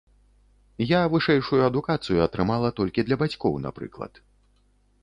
Я вышэйшую адукацыю атрымала толькі для бацькоў, напрыклад.